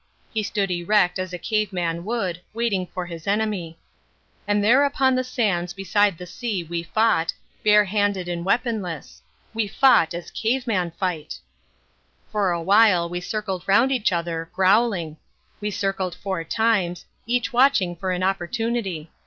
He stood erect as a cave man would, waiting for his enemy. And there upon the sands beside the sea we fought, barehanded and weaponless. We fought as cave men fight. For a while we circled round one another, growling. We circled four times, each watching for an opportunity.